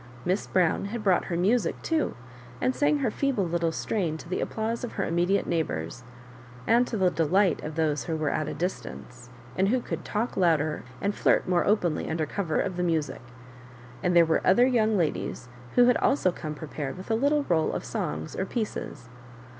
Miss 3rown had brought her music too, and sang her feeble little strain to the applause of her irame dfate neighbours, and to the delight of those who were at a distance, and who could talk louder and flirt more openly under cover of the music ; and there were other young ladies who had also come prepared with a little roll of songs or " pieces."